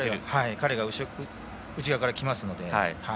彼が内側からきますので。